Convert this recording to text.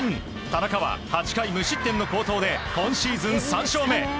田中は８回無失点の好投で今シーズン３勝目。